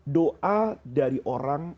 doa dari orang